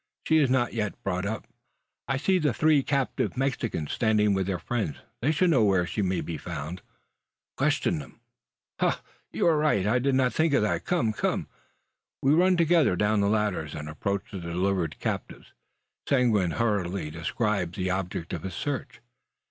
She is not yet brought up. I see the three captive Mexicans standing with their friends. They should know where she may be found. "Question them," I whisper to the chief. "Ha! you are right. I did not think of that. Come, come!" We run together down the ladders, and approach the delivered captives. Seguin hurriedly describes the object of his search.